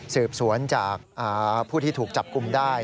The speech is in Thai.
สืบสวนจากผู้ที่ถูกจับกลุ่มได้